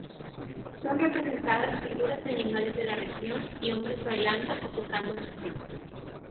Son representadas figuras de animales de la región y hombres bailando o tocando música.